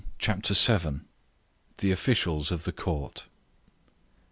CHAPTER VII. THE OFFICIALS OF THE COURT.